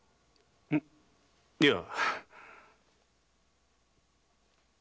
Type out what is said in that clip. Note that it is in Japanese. んいや。